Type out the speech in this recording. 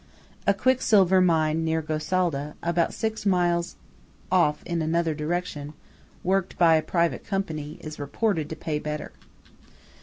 A quicksilver mine near Gosalda, about six miles of in another direction, worked by a private company, is reported to pay better.